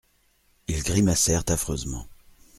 Ils grimacèrent affreusement.